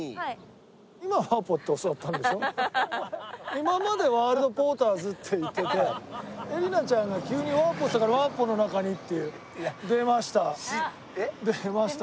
今までワールドポーターズって言ってて恵理那ちゃんが急にワーポっつったからワーポの中にって。出ました。